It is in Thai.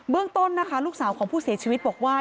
เรื่องต้นนะคะลูกสาวของผู้เสียชีวิตบอกว่า